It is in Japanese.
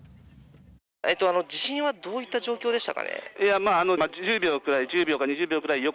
地震はどういった状況でしたかね。